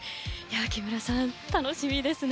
木村さん、楽しみですね。